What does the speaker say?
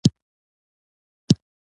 دا هیلې هغه وخت تر خاورې لاندې شوې.